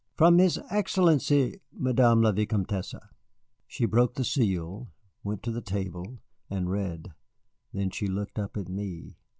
"From his Excellency, Madame la Vicomtesse." She broke the seal, went to the table, and read. Then she looked up at me.